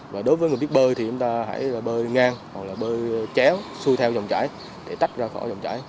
và đối với người biết bơi thì chúng ta hãy bơi ngang hoặc bơi chéo xuôi theo vòng chải để tách ra khỏi vòng chải